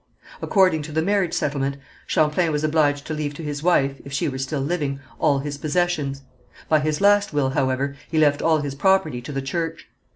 According to the marriage settlement, Champlain was obliged to leave to his wife, if she were still living, all his possessions. By his last will, however, he left all his property to the church.